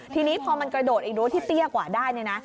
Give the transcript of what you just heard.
ทีนี้พอมันกระโดดไอ้โดสที่เตี้ยกว่าได้เนี่ยนะ